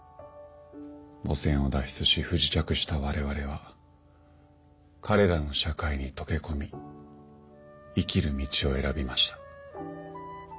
母船を脱出し不時着した我々は彼らの社会に溶け込み生きる道を選びました。